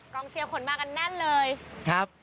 กองเซียขนมากันนั่นเลยครับ